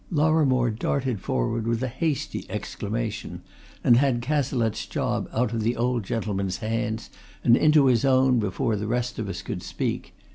Lorrimore darted forward with a hasty exclamation, and had Cazalette's job out of the old gentleman's hands and into his own before the rest of us could speak.